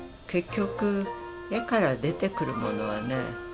結局絵から出てくるものはね